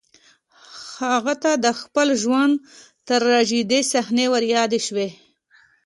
هغې ته د خپل ژوند تراژيدي صحنې وريادې شوې